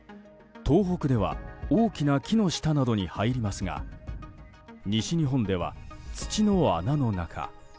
東北では大きな木の下などに入りますが西日本では土の穴の中。